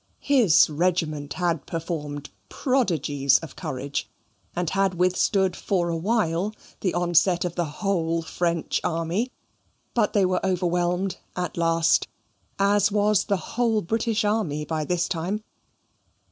His regiment had performed prodigies of courage, and had withstood for a while the onset of the whole French army. But they were overwhelmed at last, as was the whole British army by this time.